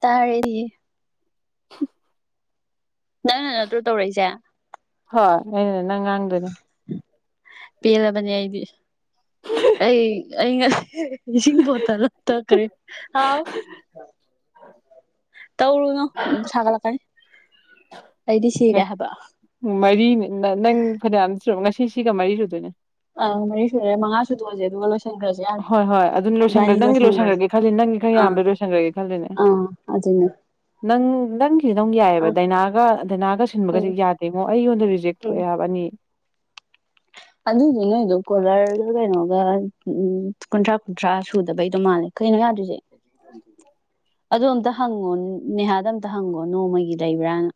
ꯇꯥꯔꯦꯔꯤꯌꯦ [unintelligible] ꯅꯪ ꯅꯪ ꯅꯠꯇ꯭ꯔ ꯇꯧꯔꯛꯏꯁꯦ ꯍꯅꯦ ꯅꯪ ꯉꯥꯡꯗꯣꯏꯅꯦ ꯄꯦꯜꯂꯕꯅꯦ ꯑꯩꯗꯤ ꯑꯩ ꯑꯩ ꯉꯁꯤ ꯄꯣꯇꯥ ꯂ ꯇꯈꯔꯦ ꯍꯥꯎ ꯇꯧꯔꯅ ꯊꯒꯂ ꯀꯥꯏ ꯃꯔꯤꯅꯤ ꯅꯪ ꯐꯅꯌꯥꯝ ꯉꯁꯤ ꯁꯤꯒ ꯃꯔꯤ ꯁꯨꯗꯣꯏꯅꯦ ꯑ ꯃꯔꯤ ꯁꯨꯔꯦ ꯃꯉꯥꯁꯨ ꯇꯑꯁꯦ ꯑꯗꯨꯒ ꯂ ꯆ꯭ꯔ ꯍꯣꯏ ꯍꯣꯏ ꯑꯗꯨꯅ ꯂꯣꯏꯁꯟꯈ꯭ꯔꯦ ꯏꯅꯤꯔ ꯅꯪꯒꯤ ꯆꯒ꯭ꯔ ꯂꯣꯏꯁꯟꯈ꯭ꯔꯒꯦ ꯈꯜꯂꯤ ꯅꯪꯒꯤ ꯈꯔ ꯑ ꯌꯥꯝꯕ ꯂꯣꯏꯁꯟꯈ꯭ꯔꯒꯦ ꯈꯜꯂꯤꯅꯦ ꯑ ꯁꯤꯅ ꯅꯪ ꯅꯪꯁꯤꯗꯧ ꯌꯥꯏꯑꯕ ꯗꯥꯏꯅꯥꯒ ꯗꯥꯏꯅꯥꯒ ꯎꯝ ꯁꯤꯟꯕꯒꯁꯦ ꯌꯥꯗꯦꯉꯣ ꯑꯩꯉꯣꯟꯗ ꯔꯤꯖꯦꯛ ꯎꯝ ꯊꯣꯛꯑꯦ ꯍꯥꯏꯕ ꯑꯅꯤ ꯑꯗꯨꯗꯤ ꯅꯣꯏꯗꯣ ꯀꯣꯂꯔꯒ ꯀꯩꯅꯣꯒ ꯎ ꯀꯨꯟꯊ꯭ꯔꯥ ꯀꯨꯟꯊ꯭ꯔꯥ ꯁꯨꯗꯕꯩꯗꯣ ꯃꯥꯜꯂꯦ ꯀꯩꯅꯣ ꯌꯥꯗꯣꯏꯁꯦ ꯑꯗꯨ ꯑꯝꯇ ꯍꯪꯉꯣ ꯅꯦꯍꯥꯗ ꯑꯝꯇ ꯍꯪꯉꯣ ꯅꯣꯡꯃꯒꯤ ꯂꯩꯕ꯭ꯔꯥꯅ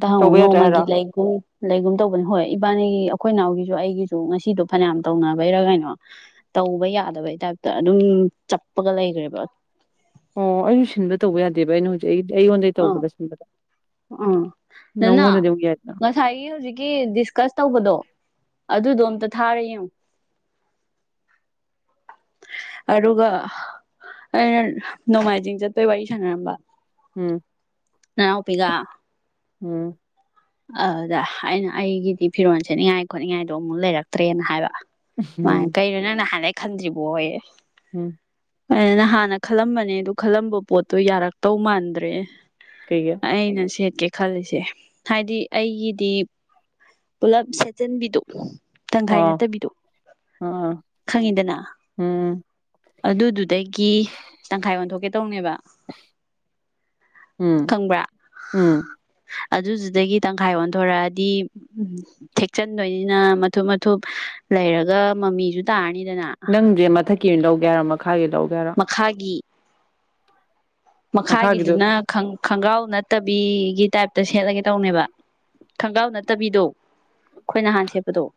ꯇꯉꯣ ꯇꯧꯕ ꯌꯥꯗ꯭ꯔꯦ ꯅꯣꯡꯃꯒꯤ ꯍꯥꯏꯔꯣ ꯂꯩꯒ꯭ꯔꯨꯝ ꯂꯩꯒ꯭ꯔꯨꯝ ꯇꯧꯕꯅꯦ ꯍꯣꯏ ꯏꯕꯥꯅꯤꯒꯤ ꯑꯩꯈꯣꯏ ꯏ ꯅꯥꯎꯒꯤꯁꯨ ꯑꯩꯒꯤꯁꯨ ꯉꯁꯤꯗꯣ ꯐꯅꯌꯥꯝ ꯇꯧꯅꯕꯩꯔ ꯀꯩꯅꯣ ꯇꯧꯕ ꯌꯥꯗꯕꯩ ꯇꯥꯏꯞꯇ ꯑꯗꯨꯝ ꯆꯞꯄꯒ ꯂꯩꯈ꯭ꯔꯦꯕ ꯑꯣ ꯑꯩꯁꯨ ꯁꯤꯟꯕ ꯇꯧꯕ ꯌꯥꯗꯦꯕ ꯑꯩꯅ ꯍꯧꯖꯤꯛ ꯑꯩꯗꯤ ꯑꯩꯉꯣꯟꯗꯒꯤꯩ ꯇꯧꯕꯗ ꯁꯤꯟꯕꯗ ꯎꯥ ꯑꯗꯨꯅ ꯅꯪꯉꯣꯟꯗꯗꯤ ꯑꯃꯨꯛ ꯌꯥꯏꯗꯅ ꯉꯁꯥꯏꯒꯤ ꯍꯧꯖꯤꯛꯀꯤ ꯗꯤꯁꯀꯁ ꯇꯧꯕꯗꯣ ꯑꯗꯨꯗꯣ ꯑꯝꯇ ꯊꯥꯔꯨ ꯑꯗꯨꯒ ꯑꯩꯅ ꯅꯣꯡꯃꯥꯏꯖꯤꯡ ꯆꯠꯄꯩ ꯋꯥꯔꯤ ꯁꯥꯟꯅꯔꯝꯕ ꯎꯝ ꯅꯅꯥ ꯑꯣ ꯄꯒꯥ ꯎꯝ ꯑꯗꯨꯗ ꯑꯩꯅ ꯑꯩꯒꯤꯗꯤ ꯐꯤꯔꯣꯟꯜ ꯁꯦꯠꯅꯤꯡꯉꯥꯏ ꯈꯣꯠꯅꯤꯡꯉꯥꯏꯗꯣ ꯑꯃꯨꯛ ꯂꯩꯔꯛꯇ꯭ꯔꯦꯅ ꯍꯥꯏꯕ ꯃꯥ ꯎꯝ ꯀꯩꯅꯣ ꯅꯪ ꯅ ꯍꯥꯟꯩ ꯈꯟꯗ꯭ꯔꯤꯕꯣ ꯍꯣꯏ ꯎꯝ ꯑꯗꯨꯅ ꯍꯥꯟꯅ ꯈꯜꯂꯝꯕꯅꯦ ꯑꯗꯨ ꯈꯜꯂꯝꯕ ꯄꯣꯠꯇꯣ ꯌꯥꯔꯛꯇꯧ ꯃꯥꯟꯗ꯭ꯔꯦ ꯀꯩꯒꯤ ꯑꯣ ꯑꯩꯅ ꯁꯦꯠꯀꯦ ꯈꯜꯂꯤꯁꯦ ꯍꯥꯏꯗꯤ ꯑꯩꯒꯤꯗꯤ ꯄꯨꯂꯞ ꯁꯦꯠꯆꯤꯟꯕꯤꯗꯨ ꯇꯪꯈꯥꯏ ꯅꯠꯇꯕꯤꯗꯨ ꯑꯥ ꯈꯪꯉꯤꯗꯅ ꯎꯝ ꯑꯗꯨꯗꯨꯗꯒꯤ ꯇꯪꯈꯥꯏ ꯑꯣꯟꯊꯣꯛꯀꯦ ꯇꯧꯅꯦꯕ ꯎꯝ ꯈꯪꯕ꯭ꯔꯥ ꯎꯝ ꯑꯗꯨꯗꯨꯗꯒꯤ ꯇꯪꯈꯥꯏ ꯑꯣꯟꯊꯣꯔꯛꯑꯗꯤ ꯎꯝ ꯎꯝ ꯊꯦꯛꯆꯟꯗꯣꯏꯅꯤꯅ ꯃꯊꯨꯞ ꯃꯊꯨꯞ ꯂꯩꯔꯒ ꯃꯃꯤꯁꯨ ꯇꯥꯔꯅꯤꯅ ꯅꯪꯁꯦ ꯃꯊꯛꯀꯤ ꯑꯣꯏꯅ ꯂꯧꯒꯦꯔꯣ ꯃꯈꯥꯒꯤ ꯂꯧꯒꯦꯔꯣ ꯃꯈꯥꯒꯤ ꯃꯈꯥꯒꯤꯗꯣ ꯃꯈꯥꯒꯤꯗꯨꯅ ꯈꯣꯡꯒ꯭ꯔꯥꯎ ꯅꯠꯇꯕꯤꯒꯤ ꯇꯥꯏꯞ ꯇ ꯁꯦꯠꯂꯒꯦ ꯇꯧꯅꯦꯕ ꯈꯣꯡꯒ꯭ꯔꯥꯎ ꯅꯠꯇꯕꯤꯗꯣ ꯑꯩꯈꯣꯏ ꯅꯍꯥꯟ ꯁꯦꯠꯄꯗꯣ [unintelligible]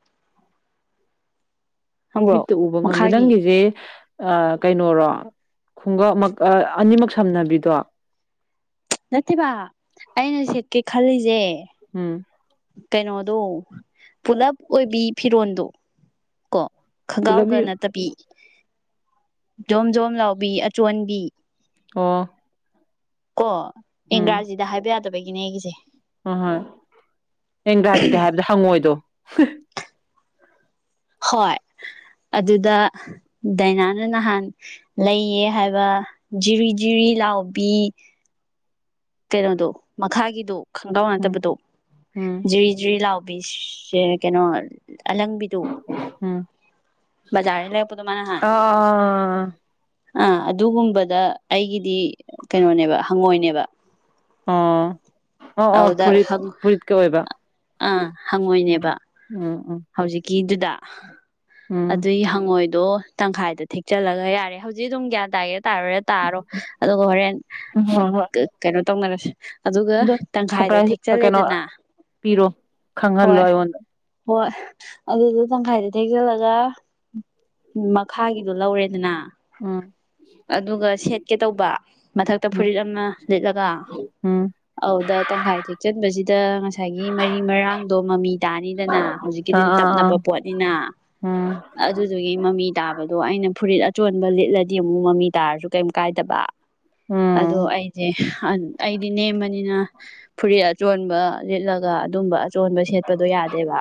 ꯈꯪꯕ꯭ꯔꯣ ꯃꯤꯠꯇ ꯎꯕ ꯉꯝꯗꯦ ꯃꯈꯥꯒꯤ ꯅꯪꯒꯤꯁꯦ ꯀꯩꯅꯣꯔꯣ ꯈꯨꯡꯒꯞꯃꯛ ꯑꯅꯤꯃꯛ ꯁꯝꯅꯕꯤꯗꯣ ꯅꯠꯇꯦꯕ ꯑꯩꯅ ꯁꯦꯠꯀꯦ ꯈꯜꯂꯤꯁꯦ ꯎꯝ ꯑꯗꯣ ꯄꯨꯂꯞ ꯑꯣꯏꯕꯤ ꯐꯤꯔꯣꯜꯗꯣ ꯀꯣ ꯄꯨꯂꯞ ꯈꯣꯡꯒ꯭ꯔꯥꯎꯒ ꯅꯠꯇꯕꯤ ꯖꯣꯝ ꯖꯣꯝ ꯂꯥꯎꯕꯤ ꯑꯆꯣꯟꯕꯤ ꯑꯣ ꯀꯣ ꯏꯪꯒ꯭ꯔꯥꯖꯤꯗ ꯍꯥꯏꯕ ꯌꯥꯗꯕꯒꯤꯅꯦ ꯑꯩꯒꯤꯁꯦ ꯑꯍꯣꯏ ꯏꯪꯒ꯭ꯔꯥꯖꯤꯗ ꯍꯥꯏꯕꯗ ꯍꯪꯉꯣꯏꯗꯣ ꯍꯣꯏ ꯑꯗꯨꯗ ꯗꯥꯏꯅꯥꯅ ꯅꯍꯥꯟ ꯂꯩꯌꯦ ꯍꯥꯏꯕ ꯖꯤꯔꯤ ꯖꯤꯔꯤ ꯂꯥꯎꯕꯤ ꯀꯩꯅꯣꯗꯣ ꯃꯈꯥꯒꯤꯗꯣ ꯈꯣꯡꯒꯥꯎ ꯎꯝ ꯅꯠꯇꯕꯗꯣ ꯎꯝ ꯖꯤꯔꯤ ꯖꯤꯔꯤ ꯂꯥꯎ ꯕꯤꯁ ꯀꯩꯅꯣ ꯑꯂꯪꯕꯤꯗꯨ ꯎꯝ ꯖꯔ ꯂꯄꯣ ꯇꯃꯥꯟ ꯍꯥꯥꯟ ꯑꯥ ꯑꯥ ꯑꯗꯨꯒꯨꯝꯕꯗ ꯑꯩꯒꯤꯗꯤ ꯀꯩꯅꯣꯅꯦꯕ ꯍꯪꯉꯣꯏꯅꯦꯕ ꯑꯣ ꯑ ꯑ ꯑꯗꯨꯗ ꯐꯨꯔꯤꯠ ꯐꯨꯔꯤꯠꯀ ꯑꯣꯏꯕ ꯑꯥ ꯎꯝ ꯍꯪꯉꯣꯏꯅꯦꯕ ꯎꯝ ꯎꯝ ꯍꯧꯖꯤꯛꯀꯤꯗꯨꯗ ꯎꯝ ꯑꯗꯨꯒꯤ ꯍꯪꯉꯣꯏꯗꯣ ꯇꯪꯈꯥꯏꯗ ꯊꯦꯛꯆꯜꯂꯒ ꯌꯥꯔꯦ ꯍꯧꯖꯤꯛ ꯑꯗꯨꯝ ꯀ꯭ꯌꯥ ꯇꯥꯒꯦ ꯇꯥꯔꯔꯦ ꯇꯥꯔꯣ ꯑꯗꯨꯒ ꯍꯣꯔꯦꯟ ꯎꯝ ꯍꯣꯏ ꯍꯣꯏ ꯀꯩꯅꯣ ꯇꯧꯅꯔꯁ ꯑꯗꯨꯒ ꯑꯗꯣ ꯇꯪꯈꯥꯏꯗ ꯁꯔꯄ꯭ꯔꯥꯏꯖ ꯀꯩꯅꯣ ꯊꯦꯛꯆꯜꯂꯦꯗꯅ ꯄꯤꯔꯣ ꯈꯪꯍꯜꯂꯣ ꯍꯣꯏ ꯑꯩꯉꯣꯟꯗ ꯍꯣꯏ ꯑꯗꯨꯗꯣ ꯇꯪꯈꯥꯏꯗ ꯊꯦꯛꯖꯤꯜꯂꯒ ꯃꯈꯥꯒꯤꯗꯣ ꯂꯧꯔꯦꯗꯅ ꯎꯝ ꯑꯗꯨꯒ ꯁꯦꯠꯀꯦ ꯇꯧꯕ ꯃꯊꯛꯇ ꯎꯝ ꯐꯨꯔꯤꯠ ꯑꯃꯅ ꯂꯤꯠꯂꯒ ꯎꯝ ꯑꯗ ꯇꯪꯈꯥꯏ ꯊꯦꯛꯆꯟꯕꯁꯤꯗ ꯉꯁꯥꯏꯒꯤ ꯃꯔꯤ ꯃꯔꯥꯡꯗꯣ ꯃꯃꯤ ꯇꯥꯅꯤꯗꯅ ꯍꯧꯖꯤꯛ ꯑꯥ ꯗꯤ ꯇꯞ ꯑꯥ ꯑꯥ ꯅꯞꯄ ꯄꯣꯠꯅꯤꯅ ꯎꯝ ꯑꯗꯨꯗꯨꯒꯤ ꯃꯃꯤ ꯇꯥꯕꯗꯣ ꯑꯩꯅ ꯐꯨꯔꯤꯠ ꯆꯣꯟꯕ ꯂꯤꯠꯂꯗꯤ ꯑꯃꯨꯛ ꯃꯃꯤ ꯇꯥꯔꯁꯨ ꯀꯩꯝ ꯀꯥꯏꯗꯕ ꯑꯗꯣ ꯎꯝ ꯑ ꯦ ꯑꯩꯗꯤ ꯅꯦꯝꯕꯅꯤꯅ ꯐꯨꯔꯤꯠ ꯑꯆꯣꯟꯕ ꯂꯤꯠꯂꯒ ꯑꯗꯨꯝꯕ ꯑꯆꯣꯟꯕ ꯁꯦꯠꯄꯗꯣ ꯌꯥꯗꯦꯕ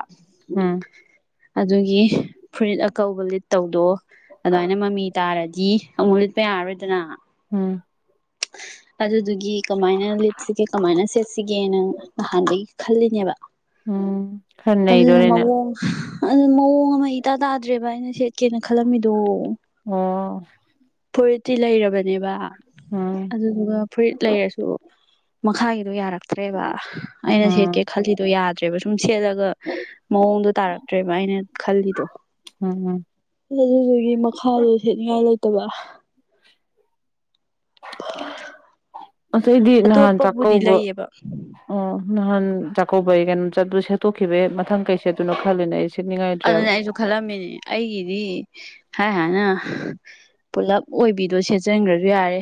ꯎꯝ ꯑꯗꯨꯒꯤ ꯐꯨꯔꯤꯠ ꯑꯀꯧꯕ ꯂꯤꯠ ꯇꯧꯗꯣ ꯑꯗꯨꯃꯥꯏꯅ ꯃꯃꯤ ꯇꯥꯔꯗꯤ ꯗꯤ ꯑꯃꯨꯛ ꯂꯤꯠꯄ ꯌꯥꯔꯣꯏꯗꯅ ꯎꯝ ꯑꯗꯨꯗꯨꯒꯤ ꯀꯃꯥꯏꯅ ꯂꯤꯠꯁꯤꯒꯦ ꯀꯃꯥꯏꯅ ꯁꯦꯠꯁꯤꯒꯦꯅꯪ ꯅꯍꯥꯟꯩ ꯈꯜꯂꯤꯅꯦꯕ ꯎꯝ ꯈꯔ ꯑꯗꯨꯅ ꯅꯩꯗꯣꯔꯦꯅꯦ ꯃꯑꯣꯡ ꯑꯗꯨ ꯃꯑꯣꯡ ꯑꯃ ꯏꯇꯥ ꯇꯥꯗ꯭ꯔꯦꯕ ꯑꯩꯅ ꯁꯦꯠꯀꯦꯅ ꯈꯜꯂꯝꯃꯤꯗꯣ ꯑꯣ ꯐꯨꯔꯤꯠꯇꯤ ꯂꯩꯔꯕꯅꯦꯕ ꯎꯝ ꯑꯗꯨꯗꯨꯒ ꯐꯨꯔꯤꯠ ꯂꯩꯔꯁꯨ ꯃꯈꯥꯒꯤꯗꯣ ꯌꯥꯔꯛꯦ ꯠꯇ꯭ꯔꯦꯕ ꯑꯩꯅ ꯁꯦꯠꯀꯦ ꯎꯝ ꯈꯜꯂꯤꯗꯣ ꯌꯥꯗ꯭ꯔꯦꯕ ꯁꯨꯝ ꯁꯦꯠꯂꯒ ꯃꯑꯣꯡꯗꯣ ꯇꯥꯔꯛꯇ꯭ꯔꯦꯕ ꯑꯩꯅ ꯃ ꯈꯂꯤꯗꯣ ꯎꯝ ꯑꯗꯨꯗꯨꯒꯤ ꯃꯈꯥꯗꯣ ꯁꯦꯠꯅꯤꯉꯥꯏ ꯂꯩꯇꯕ ꯑꯁꯇꯩꯗꯤ ꯅꯍꯥꯟ ꯑꯇꯣꯞꯄꯕꯨꯗꯤ ꯆꯥꯛꯀꯧꯕ ꯂꯩꯌꯦꯕ ꯑꯣ ꯅꯍꯥꯟ ꯆꯥꯛꯀꯧꯕꯩ ꯀꯩꯅꯣꯝ ꯆꯠꯄ ꯁꯦꯠꯇꯣꯛꯈꯤꯕꯦ ꯃꯊꯪ ꯀꯩ ꯁꯦ ꯑꯗꯨꯅ ꯈꯜꯂꯅꯦ ꯑꯩꯁꯦ ꯑꯗꯨꯅꯦ ꯑꯩꯁꯨ ꯈꯜꯂꯝꯃꯤꯅꯦ ꯑꯩꯒꯤꯗꯤ ꯍꯥꯏ ꯍꯥꯟꯅ ꯄꯨꯂꯞ ꯑꯣꯏꯕꯤꯗꯣ ꯁꯦꯠꯆꯟꯈ꯭ꯔꯁꯨ ꯌꯥꯔꯦ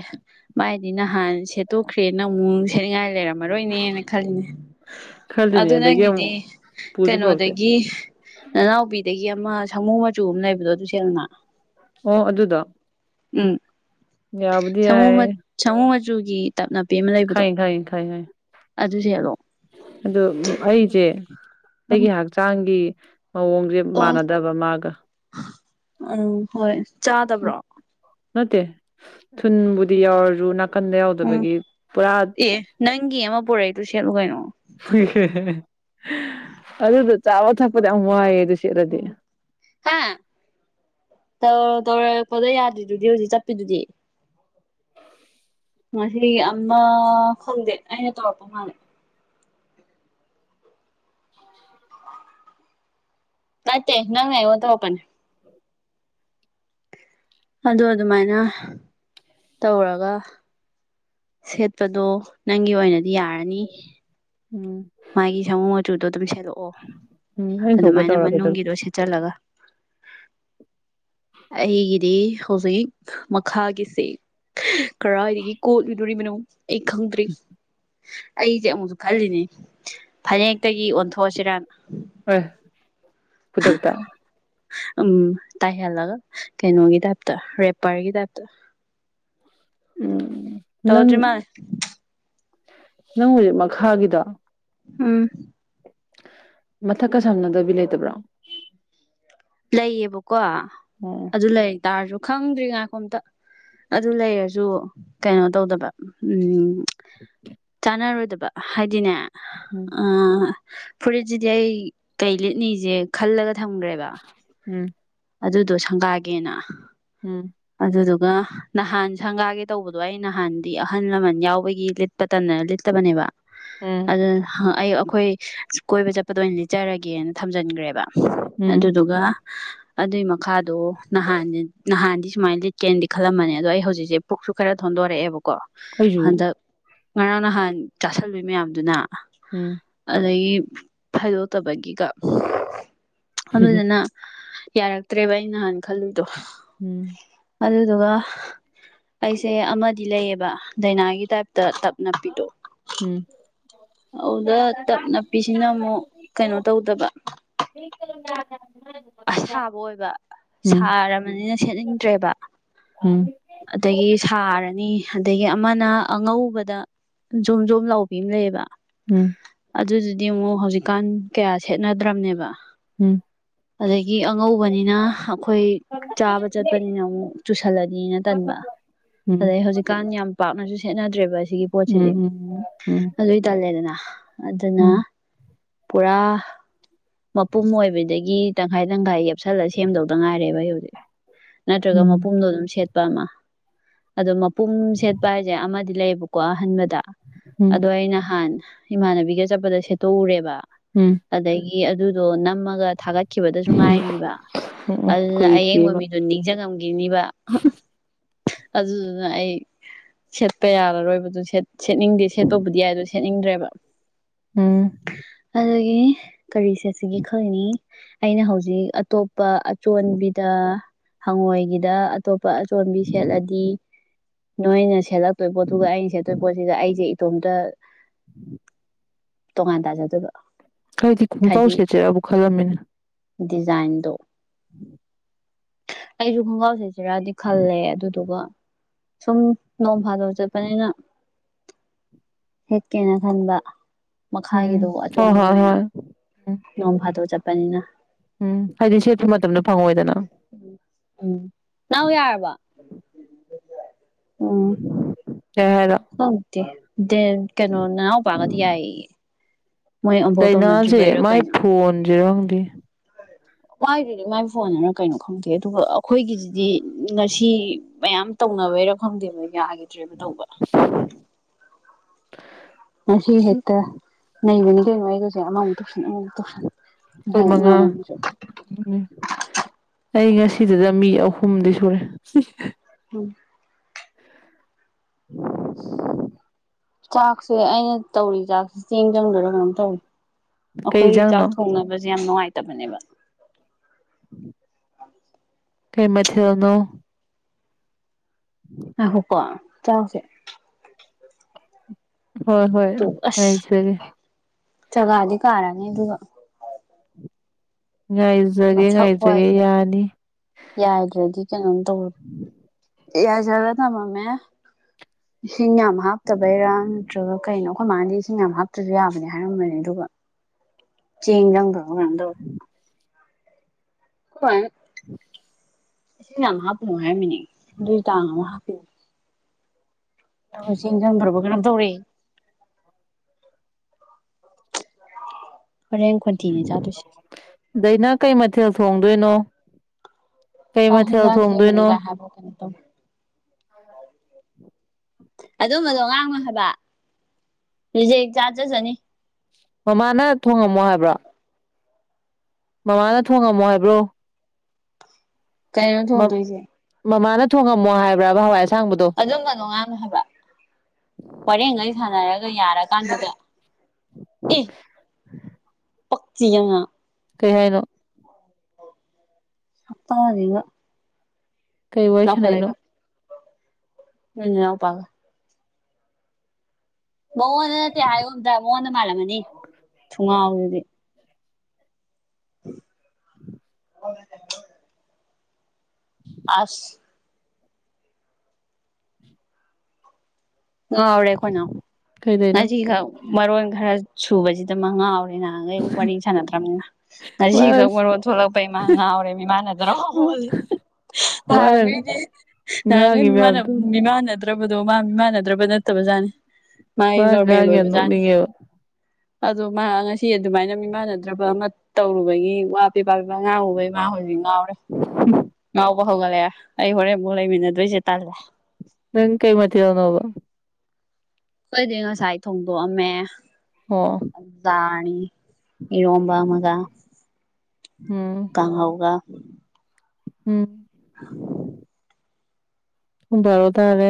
ꯃꯥꯏꯗꯤ ꯅꯍꯥꯟ ꯁꯦꯠꯇꯣꯛꯈ꯭ꯔꯦ ꯅ ꯑꯃꯨꯛ ꯁꯦꯠꯅꯤꯡꯉꯥꯏ ꯂꯩꯔꯝꯃꯔꯣꯏꯅꯦꯅ ꯈꯜꯂꯤꯅꯦ ꯈꯜꯂꯤꯅꯦ ꯑꯗꯨ ꯑꯗꯒꯤ ꯅꯪꯒꯤꯗꯤ ꯑꯃꯨꯛ ꯄꯨꯁꯨ ꯄꯨꯔꯛꯇꯦ ꯀꯩꯅꯣꯗꯒꯤ ꯀꯣꯕꯤꯗꯒꯤ ꯑꯃ ꯁꯥꯃꯨ ꯃꯆꯨ ꯑꯃ ꯂꯩꯕꯗꯣ ꯑꯗꯨ ꯁꯦꯡꯅ ꯑꯣ ꯑꯗꯨꯗ ꯎꯝ ꯁꯨ ꯁꯨ ꯈꯥꯏ ꯈꯥꯏ ꯈꯥꯏ ꯍꯥꯏ ꯑꯗꯨꯗ ꯆꯔꯣ ꯑꯣ ꯑꯩꯁꯦ ꯑꯩꯒꯤ ꯍꯛꯆꯥꯡꯒꯤ ꯃꯑꯣꯡꯁꯦ ꯑꯣ ꯃꯥꯟꯅꯗꯕ ꯃꯥꯒ ꯎꯝ ꯍꯣꯏ ꯆꯥꯗꯕ꯭ꯔꯣ ꯃꯦ ꯊꯨꯟꯕꯨꯗꯤ ꯌꯥꯎꯔ ꯅ ꯀꯟꯗ ꯎꯝ ꯌꯥꯎꯗꯕꯒꯤ ꯄꯨꯔꯥ ꯑꯦ ꯅꯪꯒꯤ ꯑꯃ ꯄꯨꯔꯛꯏꯗꯨ ꯁꯦꯠꯂꯨ ꯀꯩꯅꯣ ꯑꯗꯨꯗꯣ ꯆꯥꯕ ꯊꯛꯄꯗ ꯌꯥꯝ ꯋꯥꯏꯑꯦ ꯑꯗꯨ ꯁꯠꯂꯗꯤ ꯇꯧ ꯇꯧꯔꯄꯗ ꯌꯥꯗ꯭ꯔꯤꯗꯨꯗꯤ ꯍꯧꯖꯤꯛ ꯆꯠꯄꯤꯗꯨꯗꯤ ꯃꯍꯤ ꯑꯃ ꯈꯪꯗꯦ ꯑꯩꯅ ꯇꯧꯔꯛꯄ ꯃꯥꯜꯂꯦ ꯅꯠꯇꯦ ꯅꯪꯉ ꯇꯧꯄ ꯑꯗꯨ ꯑꯗꯨꯃꯥꯏꯅ ꯇꯧꯔꯒ ꯁꯦꯠꯄꯗꯣ ꯅꯪꯒꯤ ꯑꯣꯏꯅꯗꯤ ꯌꯥꯔꯅꯤ ꯎꯝ ꯃꯥꯒꯤ ꯁꯥꯃꯨ ꯃꯆꯨꯗꯣ ꯑꯗꯨꯝ ꯁꯦꯠꯂꯛꯑꯣ ꯎꯝ ꯑꯩꯅ ꯊꯣꯛꯄ ꯑꯗꯨꯃꯥꯏꯅ ꯇꯧꯔꯒꯦ ꯃꯅꯨꯡꯒꯤꯗꯣ ꯁꯦꯠꯆꯜꯂꯒ ꯍꯤꯒꯗꯤ ꯍꯧꯖꯤꯛ ꯃꯈꯥꯒꯤꯁꯦ ꯀꯗꯥꯏꯗꯒꯤ ꯀꯣꯠꯂꯨꯗꯣꯔꯤꯕꯅꯣ ꯑꯩ ꯈꯪꯗ꯭ꯔꯤ ꯑꯩꯁꯦ ꯑꯃꯨꯛꯁꯨ ꯈꯜꯂꯤꯅꯦ ꯐꯅꯦꯛꯇꯒꯤ ꯑꯣꯟꯊꯣꯛꯑꯁꯤꯔ ꯍꯣꯏ ꯈꯨꯗꯛꯇ ꯎꯝ ꯇꯥꯏꯍꯦꯜꯂꯒ ꯀꯩꯅꯣꯒꯤ ꯇꯥꯏꯞꯇ ꯔꯦꯄꯔꯒꯤ ꯇꯥꯏꯞꯇ [inaudible] [inaudible] ꯅꯪ ꯇꯧꯇ꯭ꯔꯤ ꯃꯥ ꯅꯪ ꯍꯧꯖꯤꯛ ꯃꯈꯥꯒꯤꯗ ꯎꯝ ꯃꯊꯛꯀ ꯁꯝꯅꯗꯕꯤ ꯂꯩꯇꯕ꯭ꯔꯣ ꯂꯩꯌꯦꯕꯀꯣ ꯎꯝ ꯑꯗꯨ ꯂꯩꯇꯥꯔꯁꯨ ꯈꯪꯗ꯭ꯔꯤꯉꯥꯏ ꯀꯣꯝꯇ ꯑꯗꯨ ꯂꯩꯔꯁꯨ ꯀꯩꯅꯣ ꯇꯧꯗꯕ ꯎꯝ [inaudible] ꯀꯥꯟꯅꯔꯣꯏꯗꯕ ꯍꯥꯏꯗꯤꯅꯦ ꯎꯝ ꯐꯨꯔꯤꯠꯁꯤꯗꯤ ꯑꯩ ꯀꯩ ꯂꯤꯠꯅꯤꯁꯦ ꯈꯜꯂꯒ ꯊꯝꯈ꯭ꯔꯦꯕ ꯎꯝ ꯑꯗꯨꯗꯣ ꯁꯪꯒꯥꯒꯦꯅ ꯑꯗꯨꯗꯨ ꯑꯗꯨꯒ ꯅꯍꯥꯟ ꯁꯪꯒꯥꯒꯤꯦ ꯇꯧꯕꯗꯣ ꯑꯩ ꯅꯍꯥꯟꯗꯤ ꯑꯍꯜ ꯂꯃꯟ ꯌꯥꯎꯕꯒꯤ ꯂꯤꯠꯄꯇꯟꯗꯅ ꯂꯤꯠꯇꯕꯅꯦꯕ ꯎꯝ ꯎꯝ ꯑꯗꯨ ꯑꯩ ꯑꯩꯈꯣꯏ ꯀꯣꯏꯕ ꯆꯠꯄꯗ ꯑꯣꯏꯅ ꯂꯤꯠꯆꯔꯒꯦꯅ ꯊꯝꯖꯤꯟꯈ꯭ꯔꯦꯕ ꯎꯝ ꯑꯗꯨꯗꯨꯒ ꯑꯗꯨꯏ ꯃꯈꯥꯗꯣ ꯅꯍꯥꯟ ꯅꯍꯥꯟ ꯁꯨꯃꯥꯏꯅ ꯂꯤꯠꯀꯦꯅꯗꯤ ꯈꯜꯂꯝꯃꯅꯤ ꯑꯗꯣ ꯑꯩ ꯍꯧꯖꯤꯛꯁꯦ ꯄꯨꯛꯁꯨ ꯈꯔ ꯊꯣꯟꯗꯣꯔꯛꯑꯦꯕꯀꯣ ꯑꯩꯁꯨ ꯍꯟꯗꯛ ꯉꯔꯥꯡ ꯅꯍꯥꯟ ꯆꯥꯁꯂꯨꯏ ꯃꯌꯥꯝꯗꯨꯅ ꯎꯝ ꯑꯗꯒꯤ ꯈꯥꯏꯗꯣꯛꯇꯕꯒꯤꯒ ꯎꯝ ꯑꯗꯨꯗꯨꯅ ꯌꯥꯔꯛꯇ꯭ꯔꯦꯕ ꯑꯩ ꯅꯍꯥꯟ ꯈꯜꯂꯨꯗꯣ ꯎꯝ ꯑꯗꯨꯗꯨꯒ ꯑꯩꯁꯦ ꯑꯃꯗꯤ ꯂꯩꯌꯦꯕ ꯗꯥꯏꯅꯥꯒꯤ ꯇꯥꯏꯞ ꯇ ꯇꯞꯅ ꯄꯗꯣ ꯎꯝ ꯑꯗꯨꯗ ꯇꯞ ꯅꯞꯄꯤꯁꯤꯅ ꯑꯃꯨꯛ ꯀꯩꯅꯣ ꯇꯧꯗꯕ ꯑꯁꯥꯕ ꯑꯣꯏꯕ ꯎꯝ ꯁꯥꯔꯕꯅꯤꯅ ꯁꯦꯠꯅꯤꯡꯗ꯭ꯔꯦꯕ ꯎꯝ ꯎꯝ ꯑꯗꯒꯤ ꯁꯥꯔꯅꯤ ꯑꯗꯒꯤ ꯑꯃꯅ ꯑꯉꯧꯕꯗ ꯖꯣꯨꯝ ꯖꯣꯨꯝ ꯂꯧꯕꯕꯤ ꯑꯃ ꯂꯩꯌꯦꯕ ꯑꯗꯨꯗꯨꯗꯤ ꯑꯃꯨꯛ ꯍꯧꯖꯤꯛꯀꯥꯟ ꯀꯌꯥ ꯁꯦꯠꯅꯗ꯭ꯔꯕꯅꯦꯕ ꯎꯝ ꯑꯗꯒꯤ ꯑꯉꯧꯕꯅꯤꯅ ꯑꯩꯈꯣꯏ ꯆꯥꯕ ꯆꯠꯄꯅꯤꯅ ꯑꯃꯨꯛ ꯆꯨꯁꯜꯂꯅꯤꯅ ꯇꯟꯕ ꯎꯝ ꯑꯗꯩ ꯍꯧꯖꯤꯛꯀꯥꯟ ꯌꯥꯝ ꯄꯥꯛꯅꯁꯨ ꯁꯦꯠꯅꯗ꯭ꯔꯦꯕ ꯁꯤꯒꯤ ꯄꯣꯠꯁꯤꯗꯤ ꯎꯝ ꯑꯗꯨꯏ ꯇꯜꯂꯦꯗꯅ ꯑꯗꯨꯅ ꯄꯨꯔꯥ ꯃꯄꯨꯝ ꯑꯣꯏꯕꯗꯒꯤ ꯇꯪꯈꯥꯏ ꯇꯪꯈꯥꯏ ꯌꯦꯦꯞꯁꯜꯂꯒ ꯁꯦꯝꯗꯧꯗ ꯉꯥꯏꯔꯦꯕ ꯑꯩ ꯍꯧꯖꯤꯛ ꯅꯠꯇ꯭ꯔꯒ ꯃꯄꯨꯝꯗꯣ ꯑꯗꯨꯝꯦꯠ ꯠꯄ ꯑꯃ ꯑꯗꯣ ꯃꯄꯨꯝ ꯁꯦꯠꯄ ꯍꯥꯏꯁꯦ ꯑꯃꯗꯤ ꯂꯩꯌꯦꯕꯀꯣ ꯑꯍꯟꯥꯟꯕꯗ ꯎꯝ ꯑꯗꯣ ꯑ ꯅꯍꯥꯟ ꯏꯃꯥꯟꯅꯕꯤꯒ ꯆꯠꯄꯗ ꯁꯦꯠꯇꯣꯛꯎꯔꯦꯕ ꯎꯝ ꯑꯗꯒꯤ ꯑꯗꯨꯗꯣ ꯅꯝꯃꯒ ꯊꯥꯒꯠ ꯆꯈꯤꯕꯗꯁꯨ ꯉꯥꯏꯔꯤꯕ ꯎꯝ ꯑꯗꯨꯅ ꯑꯌꯡꯕ ꯀꯨꯏꯗ꯭ꯔꯤꯑꯕ ꯃꯤꯗꯨꯣ ꯅꯤꯡꯁꯤꯡꯝ ꯒꯤꯅꯤꯕ ꯑꯗꯨꯗꯨꯅ ꯑꯩ ꯁꯦꯠꯄ ꯌꯥꯔꯔꯣꯏꯕꯗꯨꯦꯠ ꯁꯦꯠꯅꯤꯡꯗꯦ ꯁꯦꯠꯇꯕꯨꯗꯤ ꯌꯥꯏ ꯑꯗꯨꯗꯣ ꯁꯦꯠꯅꯤꯡꯗ꯭ꯔꯦꯕ ꯎꯝ ꯑꯗꯨꯗꯒꯤ ꯀꯔꯤꯁꯦ ꯑꯁꯤꯒꯤ ꯈꯜꯅꯤ ꯑꯩꯅ ꯍꯧꯖꯤꯛ ꯑꯇꯣꯞꯄ ꯑꯆꯣꯟꯕꯤꯗ ꯍꯪꯉꯣꯏꯒꯤꯗ ꯑꯇꯣꯞ ꯏꯄꯥ ꯑꯆꯣꯟꯝꯕꯤ ꯁꯦꯠꯂꯗꯤ ꯅꯣꯏꯅ ꯁꯦꯠꯂꯛꯇꯣꯏ ꯄꯣꯠꯇꯨꯒ ꯑꯩꯅ ꯁꯦꯠꯇꯣꯏ ꯄꯣꯠꯁꯤꯒ ꯑꯩꯁꯦ ꯇꯣꯝꯗ ꯇꯣꯉꯥꯟꯅ ꯇꯥꯖꯥ ꯑꯗꯨꯕ ꯀꯔꯤ ꯊꯗꯤ ꯈꯨ ꯀꯥꯎꯁꯦ ꯆ ꯑꯕꯨ ꯈꯜꯂꯝꯃꯤꯅꯦ ꯗꯤꯖꯥꯏꯟꯗꯣ ꯑꯩꯁꯨ ꯈꯣꯡꯒ꯭ꯔꯥꯎꯁꯤꯁꯤꯔꯗꯤ ꯈꯜꯂꯦ ꯑꯗꯨꯗꯨꯒ ꯁꯨꯝ ꯅꯣꯡ ꯐꯥꯗꯕ ꯆꯠꯄꯅꯤꯅ ꯍꯦꯛꯀꯦꯅ ꯈꯟꯕ ꯎꯝ ꯃꯈꯥꯒꯤꯗꯨ ꯍꯣꯏ ꯑꯆꯣꯟꯒꯤ ꯍꯣꯏ ꯑꯣꯏꯅ ꯍꯣꯏ ꯎꯝ ꯅꯣꯡ ꯐꯥꯗꯣꯛ ꯆꯠꯄꯅꯤꯅ ꯎꯝ ꯑꯟꯁꯤꯦ ꯃ ꯃꯇꯝꯅ ꯎꯝ ꯅꯎ ꯌꯥꯔꯕ ꯑꯣ ꯌꯥꯦꯅ ꯗ ꯀꯩꯅꯣ ꯅꯅꯥꯎ ꯄꯄꯥꯒꯗꯤ ꯌꯥꯏ ꯗꯥꯏꯅꯥꯁꯦ ꯃꯥꯏ ꯀꯩꯅꯣ ꯐꯣꯟꯁꯦꯔꯪꯗꯦ ꯃꯥꯏꯗꯨꯗꯤ ꯃꯥꯏ ꯐꯣꯟꯗꯅ ꯀꯩꯅꯣ ꯈꯪꯗꯦ ꯑꯗꯨꯒ ꯑꯩꯈꯣꯏꯒꯤꯁꯤꯗꯤ ꯉꯁꯤ ꯃꯌꯥꯝ ꯇꯧꯅ ꯕꯩꯔꯛꯐꯝꯗꯦꯕ ꯌꯥꯈꯤꯗ꯭ꯔꯦꯕ ꯇꯧꯕ ꯉꯁꯤ ꯍꯦꯠꯇ ꯅ ꯃꯅꯤꯡꯗꯅꯨꯡ ꯃꯨ ꯇꯨꯁ ꯃ ꯇꯨꯁꯟ ꯑꯩꯈꯣꯏ ꯃꯉꯥ ꯏꯃꯅꯦ ꯑꯩ ꯉꯁꯤꯗꯨꯗ ꯃꯤ ꯑꯍꯨꯝꯗꯤ ꯁꯨꯔꯦ ꯎꯝ [inaudible] ꯆꯥꯛꯁꯦ ꯑꯩꯅ ꯇꯧꯔꯤ ꯆꯥꯛꯁꯦ ꯆꯦꯡ ꯆꯪꯗꯔꯥ ꯀꯩꯅꯣꯝ ꯇꯧꯔꯤ ꯀꯩ ꯑꯩꯈꯣꯏ ꯆꯥꯛ ꯌꯦꯟꯖꯥꯡꯅꯣ ꯊꯣꯡꯅꯕꯁꯦ ꯌꯥꯝ ꯅꯨꯡꯉꯥꯏꯇꯕꯅꯦꯕ ꯎꯝ ꯀꯩꯃꯊ ꯇꯅꯣ ꯑ ꯍꯣ ꯀ ꯆꯥꯎꯁꯦ ꯍꯣꯏ ꯍꯣꯏ ꯇꯨ ꯑꯁ ꯑꯩꯖꯒꯦ ꯆꯒꯥꯗꯤ ꯀꯔꯅꯤ ꯑꯗꯨ ꯉꯥꯏꯖꯒꯦ ꯃꯁꯛ ꯉꯥꯏꯖꯒꯦ ꯋꯥꯁꯦ ꯌꯥꯅꯤ ꯌꯥꯏꯗ꯭ꯔꯗꯤ ꯀꯩꯅꯣꯝ ꯇꯧꯔ ꯑꯦ ꯌꯥꯖꯒ ꯊꯃ ꯃ ꯏꯁꯤꯡ ꯌꯥꯝ ꯍꯥꯞꯇꯕꯩꯔꯥ ꯅꯠꯇ꯭ꯔꯒ ꯀꯩꯅꯣ ꯑꯩꯈꯣꯏ ꯃꯥꯅꯗꯤ ꯏꯁꯤꯡ ꯌꯥꯝ ꯍꯥꯞꯇ꯭ꯔꯁꯨ ꯌꯥꯕꯅꯦ ꯍꯥꯏꯔꯝꯕꯅꯤ ꯑꯗꯨꯒ ꯆꯦꯡ ꯆꯪꯗꯕ ꯉꯥꯡꯗꯧ ꯍꯣꯏ ꯎꯝ ꯁꯤꯡ ꯑ ꯍꯥꯥ ꯄꯍꯥꯏ ꯃꯤꯅꯤ ꯇ ꯑꯉ ꯍꯥꯥ ꯑ ꯆꯦꯟꯖꯥꯡ ꯐ꯭ꯔꯕ ꯀꯩꯅꯝ ꯇꯧꯔ ꯍꯣꯔꯦꯟ ꯈꯣꯟꯊꯤꯅꯦ ꯆꯥꯗꯣꯏꯁꯦ ꯗꯗꯥꯏꯅꯥ ꯀꯩ ꯃꯊꯦꯜ ꯐꯣꯡꯗꯣꯏꯅꯣ ꯑ ꯍꯖꯥꯁ ꯍꯦ ꯃꯤꯅꯤꯒ ꯍꯥꯏꯕꯣꯅꯤꯠꯇ ꯑꯗꯨꯝꯕꯗꯣ ꯉꯥꯡꯅ ꯍꯥꯏꯕ ꯇꯨꯖꯤꯦ ꯆꯥꯗꯁꯅꯤ ꯃꯃꯥꯅ ꯊꯣꯡꯉꯝꯃꯣ ꯍꯥꯏꯕ꯭ꯔꯣ ꯃꯃꯥꯅ ꯊꯣꯡꯉꯝꯃꯣ ꯍꯥꯏꯕ꯭ꯔꯣ ꯀꯩꯅꯩꯅ ꯊꯗꯣꯏꯁꯦ ꯃꯃꯥꯅ ꯊꯣꯡꯉꯝꯃꯣ ꯍꯥꯏꯕ꯭ꯔꯕ ꯍꯋꯥꯏꯁ ꯑꯗꯨꯝꯕꯗꯣꯉꯝꯃꯦ ꯍꯥꯏꯕ ꯋꯥꯔꯦꯡꯈꯩ ꯁꯥꯟꯅꯔꯒ ꯌꯥꯔꯀꯥꯟꯗꯨꯗ ꯑꯦ ꯄꯛꯆꯌꯥ ꯀꯩ ꯍꯥꯏꯅꯣ ꯁꯛꯇꯥꯖꯤꯒ ꯀꯩ ꯋꯥꯔꯁꯅꯥꯅꯣ ꯎꯝ ꯄꯥꯒ ꯃꯉꯣꯟꯗ ꯅꯠꯇꯦ ꯍꯥꯏꯔꯣꯝꯗ ꯃꯉꯣꯟꯗ ꯃꯥꯜꯂꯝꯃꯅꯤ ꯊꯨꯡꯒꯥꯎꯗꯨꯗꯤ [unintelligible] ꯑꯁ ꯉꯥꯎꯔꯦ ꯑꯩꯈꯣꯏꯅ ꯀꯩꯗꯩꯅꯣ ꯉꯁꯤꯈꯛ ꯃꯔꯣꯟ ꯈꯔ ꯁꯨꯕꯁꯤꯗ ꯑꯃ ꯉꯥꯎꯔꯦ ꯉꯍꯥꯟꯈꯩꯕꯨꯨꯛ ꯋꯥꯔꯤ ꯁꯥꯟꯅꯗ꯭ꯔꯕꯅꯤꯅ ꯉꯁꯤꯒꯛ ꯃꯔꯣ ꯊꯣꯛꯂꯛꯄ ꯏꯃ ꯉꯥꯎꯔꯦ ꯏꯃꯥꯟꯅꯗ꯭ꯔꯣ ꯃꯥꯅ ꯊꯥꯡꯉꯩꯗꯤ ꯊꯥꯡꯉꯩ ꯉꯥꯡꯉꯤ ꯃꯌꯥꯝꯗꯣ ꯃꯤꯃꯥꯟꯅꯗ꯭ꯔꯕ ꯗꯣ ꯃꯥ ꯃꯤꯃꯥꯟꯅꯗ꯭ꯔꯕ ꯅꯠꯇꯕꯖꯥꯠꯅꯤ ꯃꯥꯒꯤ ꯃꯥꯅ ꯅꯣꯔꯃꯦꯜ ꯉꯥꯡꯉꯤ ꯌꯥꯝ ꯑꯣꯏꯕꯖꯥꯠꯅꯤ ꯅꯣꯛꯅꯤꯡꯉꯦꯕ ꯑꯗꯣ ꯃꯥ ꯉꯁꯤ ꯑꯗꯨꯃꯥꯏꯅ ꯃꯤꯃꯥꯟꯅꯗ꯭ꯔꯕ ꯑꯃ ꯇꯧꯔꯨꯕꯒꯤ ꯋꯥ ꯄꯦꯕꯥ ꯄꯦꯄꯥ ꯑ ꯉꯥꯡꯕꯩ ꯉꯥ ꯍꯧꯖꯤꯛ ꯉꯥꯎꯔꯦ ꯉꯥꯎꯕ ꯍꯧꯒꯠꯂꯛꯦ ꯑꯩ ꯍꯣꯔꯦꯟ ꯃ ꯂꯩꯃꯤꯟꯅꯗꯣꯏꯁꯦ ꯇꯜꯂꯦ ꯅꯪ ꯀꯩ ꯃꯊꯦꯜꯅꯣꯕ ꯑꯩꯈꯣꯏꯗꯤ ꯉꯁꯥꯏ ꯊꯣꯡꯗꯣꯛꯑꯝꯃꯦ ꯑꯣ ꯑꯗꯨ ꯏꯔꯣꯝꯕ ꯃꯒ ꯎꯝ ꯀꯥ ꯍꯧꯒ ꯎꯝ ꯍ ꯔꯣ ꯇꯥꯔꯦ